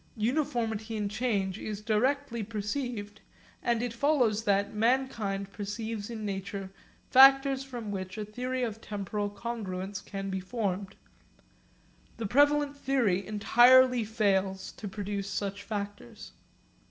Uniformity in change is directly perceived, and it follows that mankind perceives in nature factors from which a theory of temporal congruence can be formed. The prevalent theory entirely fails to produce such factors.